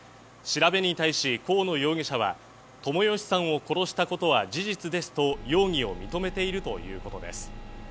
調べに対し、河野容疑者は友義さんを殺したことは事実ですと容疑を認めているということです。